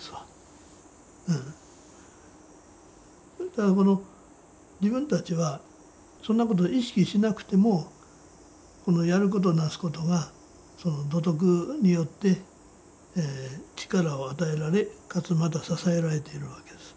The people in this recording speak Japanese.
だからこの自分たちはそんなこと意識しなくてもやることなすことがその土徳によって力を与えられかつまた支えられているわけです。